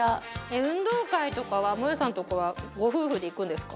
運動会とかはもえさんとこはご夫婦で行くんですか？